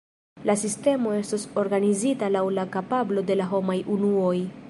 La sistemo estos organizita laŭ la kapablo de la homaj unuoj.